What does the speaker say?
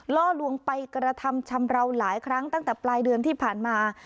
ล่อลวงไปกระทำชำราวหลายครั้งตั้งแต่ปลายเดือนที่ผ่านมา